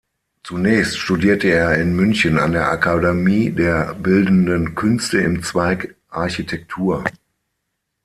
Zunächst studierte er in München an der Akademie der bildenden Künste im Zweig Architektur.